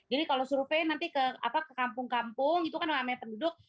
jadi kalau survei nanti ke kampung kampung itu kan ramai penduduk